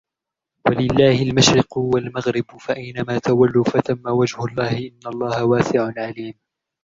ولله المشرق والمغرب فأينما تولوا فثم وجه الله إن الله واسع عليم